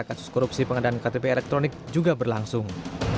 kasus korupsi pengadaan ktp elektronik juga berlangsung